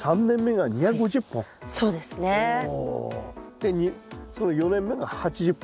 でその４年目が８０本？